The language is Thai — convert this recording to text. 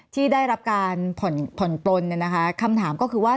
ที่ได้รับการผ่อนปลนคำถามก็คือว่า